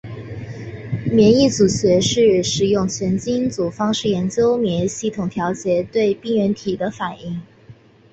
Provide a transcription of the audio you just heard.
免疫组学是使用全基因组方法研究免疫系统调节和对病原体的反应。